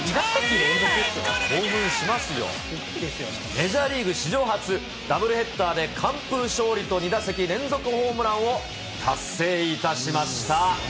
メジャーリーグ史上初、ダブルヘッダーで完封勝利と２打席連続ホームランを達成いたしました。